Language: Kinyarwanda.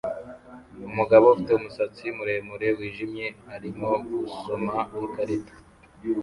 Umugabo ufite umusatsi muremure wijimye arimo gusoma ikarita